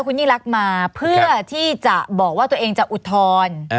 คุณยิ่งรักมาเพื่อที่จะบอกว่าตัวเองจะอุทธรณ์